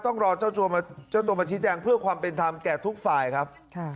ต้องรอเจ้าตัวมาชี้แจงเพื่อความเป็นธรรมแก่ทุกฝ่ายครับ